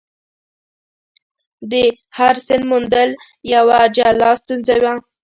د هر سند موندل یوه جلا ستونزه وه.